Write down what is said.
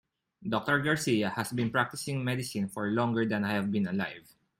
Doctor Garcia has been practicing medicine for longer than I have been alive.